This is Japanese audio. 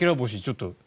ちょっと。